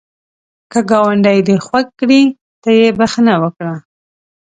که ګاونډی دی خوږ کړي، ته یې بخښه وکړه